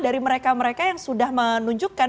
dari mereka mereka yang sudah menunjukkan